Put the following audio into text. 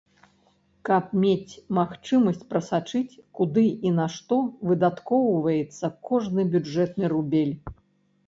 Каб мець магчымасць прасачыць, куды і на што выдаткоўваецца кожны бюджэтны рубель.